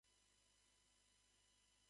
足利大学